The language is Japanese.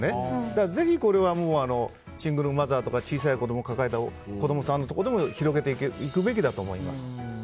だから、ぜひこれはシングルマザーとか小さい子供を抱えたところにも広げていくべきだと思います。